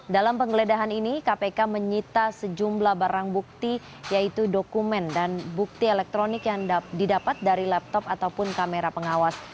dalam penggeledahan ini kpk menyita sejumlah barang bukti yaitu dokumen dan bukti elektronik yang didapat dari laptop ataupun kamera pengawas